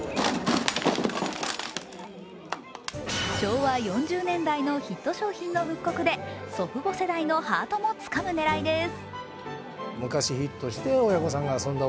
昭和４０年代のヒット商品の復刻で祖父母世代のハートもつかむ狙いです。